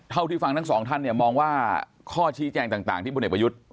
เท่าที่ฟังทั้งสองท่านเนี่ยมองว่าข้อชี้แจงต่างที่พลเอกประยุทธ์